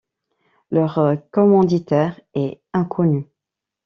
Leur commanditaire est inconnu.